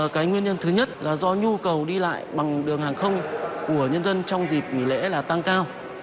cái nguyên nhân thứ nhất là do nhu cầu đi lại bằng đường hàng không của nhân dân trong dịp nghỉ lễ là tăng cao